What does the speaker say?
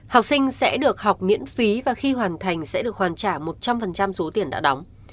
học sinh sẽ được học miễn phí và khi hoàn thành sẽ được hoàn trả một trăm linh số tiền đã đóng